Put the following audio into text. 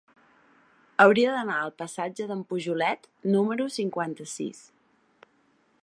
Hauria d'anar al passatge d'en Pujolet número cinquanta-sis.